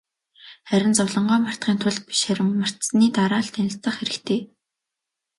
Харин зовлонгоо мартахын тулд биш, харин мартсаны дараа л танилцах хэрэгтэй.